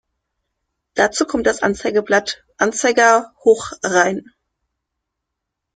Dazu kommt das Anzeigenblatt "Anzeiger Hochrhein".